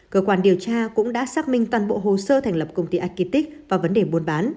cơ quan điều tra cũng đã xác minh toàn bộ hồ sơ thành lập công ty aqics và vấn đề buôn bán